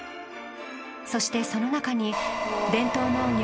そしてその中に伝統農業